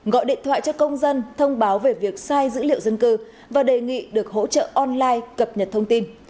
gọi điện thoại cho công dân thông báo về việc sai dữ liệu dân cư và đề nghị được hỗ trợ online cập nhật thông tin